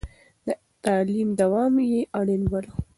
د تعليم دوام يې اړين باله.